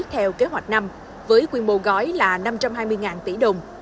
theo kế hoạch năm với quy mô gói là năm trăm hai mươi tỷ đồng